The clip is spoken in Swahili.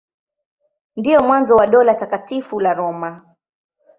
Ndio mwanzo wa Dola Takatifu la Roma.